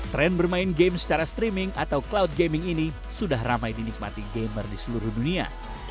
tren bermain game secara streaming atau cloud gaming ini sudah ramai dinikmati gamer di seluruh dunia